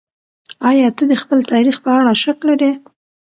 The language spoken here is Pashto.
ايا ته د خپل تاريخ په اړه شک لرې؟